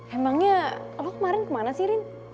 emangnya aku kemarin kemana sih rin